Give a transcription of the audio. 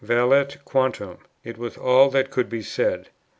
Valeat quantum, it was all that could be said.